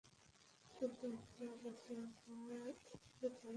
কিন্তু আপনারা এসব এভাবে কেন বেচছেন?